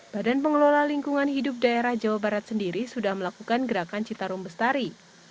badan pengelola lingkungan hidup daerah jawa barat sendiri sudah melakukan gerakan citarum bestari